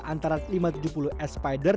antara lima ratus tujuh puluh spider